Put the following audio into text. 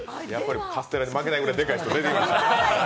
カステラに負けないぐらいでかい人が出てきました。